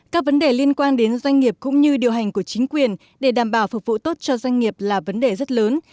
các vấn đề liên quan đến doanh nghiệp cũng như điều hành của chính quyền để đảm bảo phục vụ tốt cho doanh nghiệp là vấn đề rất lớn